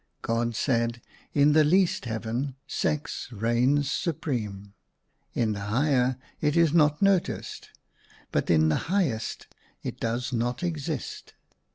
God said, "In the least Heaven sex reigns supreme ; in the higher it is not noticed ; but in the highest it does not exist."